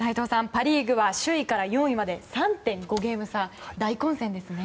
パ・リーグは首位から４位まで３．５ゲーム差と大混戦ですね。